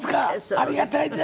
ありがたいです